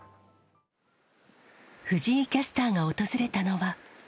藤井キャスターが訪れたのは。